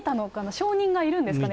証人がいるんですかね。